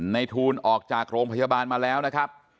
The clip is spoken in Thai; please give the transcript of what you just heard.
ทูลออกจากโรงพยาบาลมาแล้วนะครับ